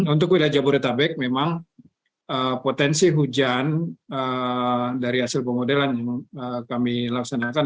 untuk wilayah jabodetabek memang potensi hujan dari hasil pemodelan yang kami laksanakan